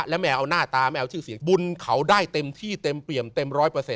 แล้วแม้เอาหน้าตาแม้เอาชื่อเสียงบุญเขาได้เต็มที่เต็มเปี่ยมเต็ม๑๐๐